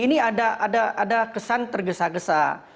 ini ada kesan tergesa gesa